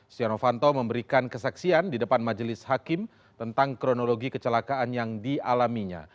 setia novanto memberikan kesaksian di depan majelis hakim tentang kronologi kecelakaan yang dialaminya